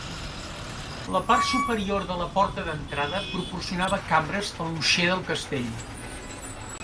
La part superior de la porta d'entrada proporcionava cambres per l"uixer del castell.